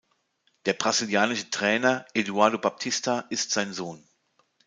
Der brasilianische Trainer Eduardo Baptista ist sein Sohn.